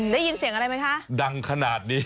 ได้ยินเสียงอะไรไหมคะดังขนาดนี้